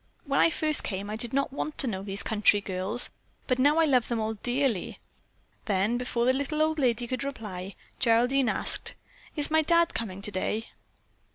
When I first came I did not want to know these country girls, but now I love them all dearly." Then, before the little old lady could reply, Geraldine asked, "Is my Dad coming today?"